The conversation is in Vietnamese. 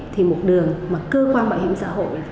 thì một đường mà cơ quan bảo hiểm xã hội